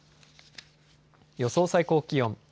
予想最高気温。